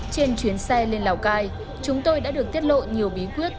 trên chuyến xe lên lào cai chúng tôi đã được tiết lộ nhiều bí quyết